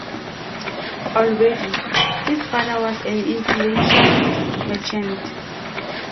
Already, his father was an influential merchant.